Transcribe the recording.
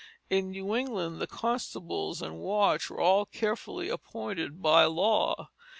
In New England the constables and watch were all carefully appointed by law.